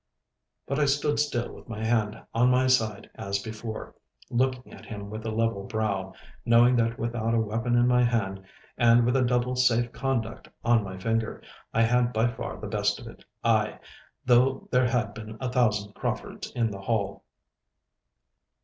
But I stood still with my hand on my side as before, looking at him with a level brow, knowing that without a weapon in my hand, and with a double safe conduct on my finger, I had by far the best of it, ay, though there had been a thousand Craufords in the hall.